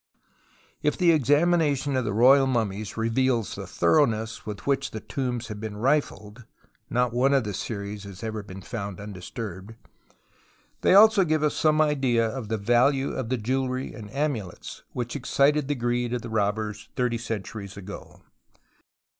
If the examination of the royal mummies reveals the thoroughness with wliich the tombs have been rifled — not one of the series THE VALLEY OF THE TOMBS 81 has ever been found undisturbed — they also give us some idea of the vahie of the jewellery and amulets which excited the greed of the robbers thirty centuries ago.